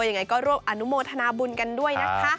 หรืออย่างไรก็รวบอนุโมธนาบุญกันด้วยนะคะ